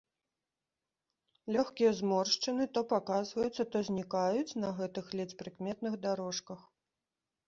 Лёгкія зморшчыны то паказваюцца, то знікаюць на гэтых ледзь прыкметных дарожках.